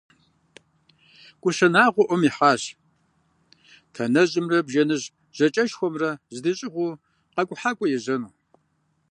КӀущэ Нагъуэ Ӏуэм ихьащ Танэжьымрэ Бжэныжь ЖьакӀэшхуэмрэ здыщӀигъуу къэкӀухьакӀуэ ежьэну.